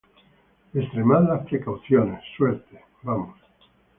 extremad las precauciones. suerte, vamos.